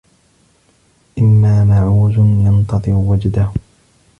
إمَّا مَعُوزٌ يَنْتَظِرُ وَجْدَهُ